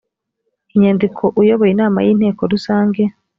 inyandiko uyoboye inama y inteko rusange